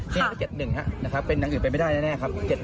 นี่ก็๗๑ครับนะครับเป็นอย่างอื่นเป็นไม่ได้แน่ครับ